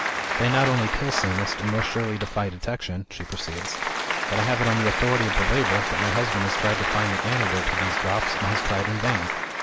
"They not only kill soonest, and most surely defy detection," she proceeds, "but I have it on the authority of the label, that my husband has tried to find the antidote to these Drops, and has tried in vain.